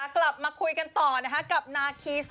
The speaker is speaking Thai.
กลับมาคุยกันต่อกับนาคี